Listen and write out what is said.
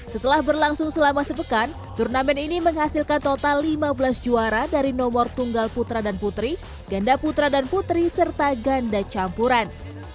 setelah berlangsung selama sepekan turnamen ini menghasilkan total lima belas juara dari nomor tunggal putra dan putri ganda putra dan putri serta ganda campuran